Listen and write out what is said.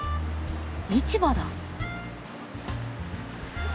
市場だ。